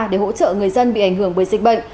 để hỗ trợ người dân bị ảnh hưởng bởi dịch bệnh